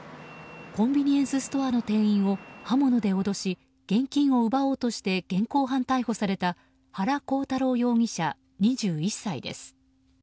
コンビニエンスストアの店員を刃物で脅し現金を奪おうとして現行犯逮捕された原光太郎容疑者、２１歳です。